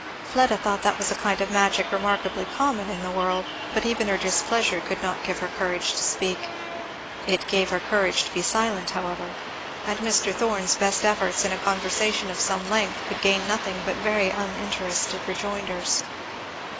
Fleda thought that was a kind of magic remarkably common in the world; but even her displeasure could not give her courage to speak. It gave her courage to be silent, however; and Mr. Thorn's best efforts in a conversation of some length could gain nothing but very uninterested rejoinders.